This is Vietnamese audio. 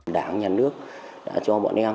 đảng nhà nước đã cho bọn em